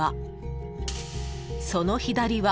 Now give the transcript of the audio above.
［その左は］